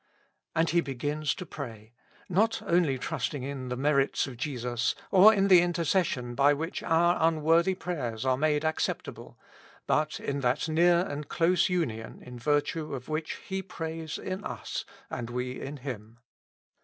And He begins to pray, not only trusting in the merits of Jesus, or in the intercession by which our unworthy prayers are made acceptable, but in that near and close union in virtue of which He prays in us and we in Him.